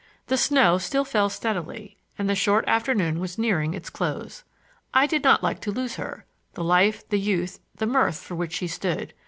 The snow still fell steadily and the short afternoon was nearing its close. I did not like to lose her,—the life, the youth, the mirth for which she stood.